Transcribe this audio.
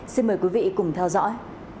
xin mời quý vị cùng theo dõi